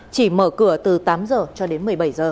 chỉ mở cửa từ tám h cho đến một mươi bảy h